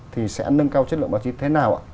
thì sẽ nâng cao chất lượng báo chí thế nào ạ